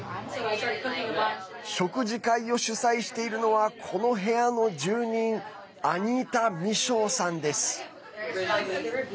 食事会を主催しているのはこの部屋の住人アニータ・ミショーさんです。